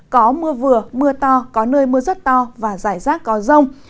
có mưa vừa mưa to có nơi mưa rất to và rải rác có rông